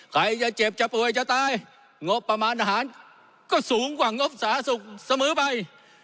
ใครจะเจ็บจะป่วยจะตายงบประมาณอาหารก็สูงกว่างบสาสุขเสมอไป